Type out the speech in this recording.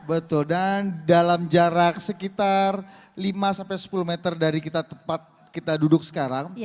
betul dan dalam jarak sekitar lima sampai sepuluh meter dari kita tempat kita duduk sekarang